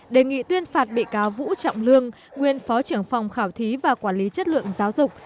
đề nghị tuyên phạt bị cáo vũ trọng lương nguyên phó trưởng phòng khảo thí và quản lý chất lượng giáo dục